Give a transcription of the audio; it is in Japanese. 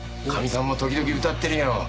かみさんも時々歌ってるよ。